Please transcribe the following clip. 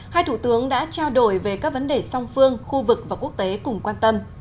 hai thủ tướng đã trao đổi về các vấn đề song phương khu vực và quốc tế cùng quan tâm